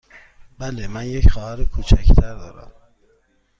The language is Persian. بله، من یک خواهر کوچک تر دارم.